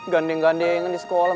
gandeng gandengin di sekolah